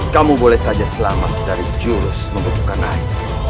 kamu boleh saja selamat dari jurus membutuhkan air